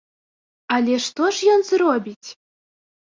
Але што ж ён зробіць?